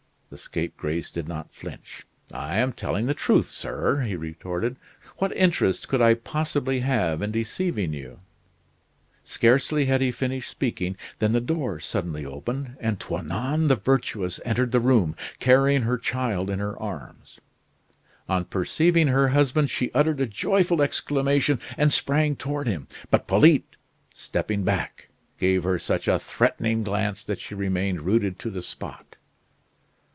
The scapegrace did not flinch. "I am telling the truth, sir," he retorted. "What interest could I possibly have in deceiving you?" Scarcely had he finished speaking than the door suddenly opened and Toinon the Virtuous entered the room, carrying her child in her arms. On perceiving her husband, she uttered a joyful exclamation, and sprang toward him. But Polyte, stepping back, gave her such a threatening glance that she remained rooted to the spot.